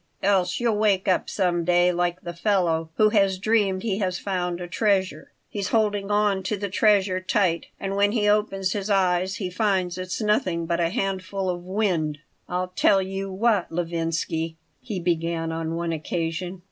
"Else you'll wake up some day like the fellow who has dreamed he has found a treasure. He's holding on to the treasure tight, and when he opens his eyes he finds it's nothing but a handful of wind." "I'll tell you what, Levinsky," he began on one occasion.